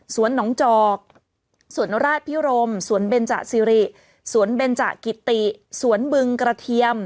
หนองจอกสวนราชพิรมสวนเบนจสิริสวนเบนจกิติสวนบึงกระเทียม